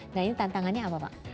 nah ini tantangannya apa pak